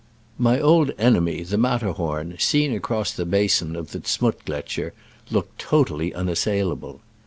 My old enemy, the Matterhorn, seen across the basin of the Z'Muttgletscher, looked totally unassailable.